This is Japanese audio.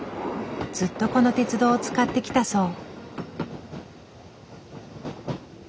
ずっとこの鉄道を使ってきたそう。